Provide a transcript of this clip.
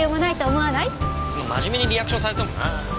真面目にリアクションされてもなあ。